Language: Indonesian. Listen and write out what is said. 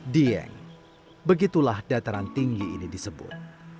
dieng begitulah dataran tinggi ini disebut